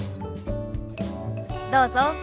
どうぞ。